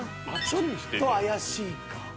ちょっと怪しいか。